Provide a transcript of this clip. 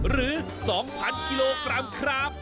หรือ๒๐๐กิโลกรัมครับ